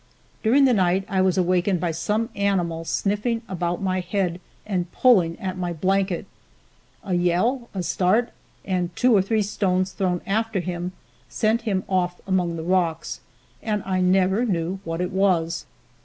During the night I was awakened by some animal sniffing about my head and pulling at my blanket. A yell, a start and two or three stones thrown after him, sent him off among the rocks, and I never knew what it was.